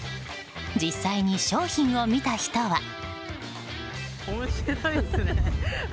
実際に商品を見た人は。